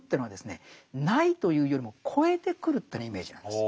「ない」というよりも「超えてくる」というようなイメージなんです。